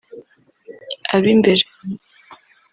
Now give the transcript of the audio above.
Ab’imbere